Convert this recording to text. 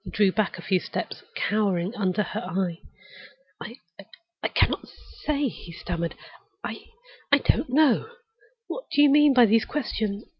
He drew back a few steps, cowering under her eye. "I can't say," he stammered. "I don't know. What do you mean by these questions?